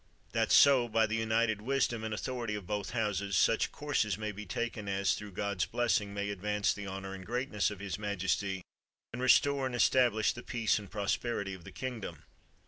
lnat so by the united wisdom and authority oi both Houses, such courses may be taken as (througn God's blessing) may advance the honor and greatness of his majesty, and restore and estab lish the peace and prosperity of the kingdom.